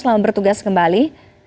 selamat bertugas kembali